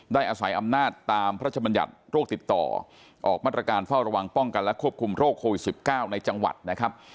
อาศัยอำนาจตามพระชมัญญัติโรคติดต่อออกมาตรการเฝ้าระวังป้องกันและควบคุมโรคโควิด๑๙ในจังหวัดนะครับ